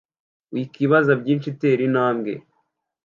wikwibaza byinshi, tera intambwe